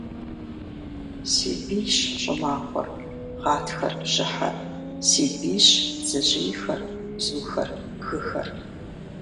Си бийщ щӏымахуэр, гъатхэр, бжьыхьэр. Си бийщ, бдзэжьейхэр, бзухэр, бгыхэр.